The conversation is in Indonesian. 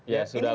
ya sudah lah